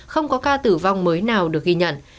không có ca tử vong mới nào được ghi nhận